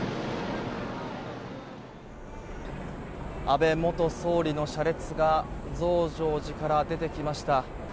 安倍元総理の車列が増上寺から出てきました。